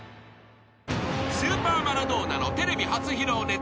［スーパーマラドーナのテレビ初披露ネタ］